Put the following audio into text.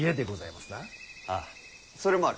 ああそれもある。